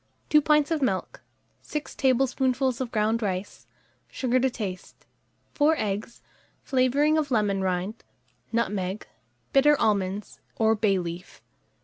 2 pints of milk, 6 tablespoonfuls of ground rice, sugar to taste, 4 eggs, flavouring of lemon rind, nutmeg, bitter almonds or bay leaf.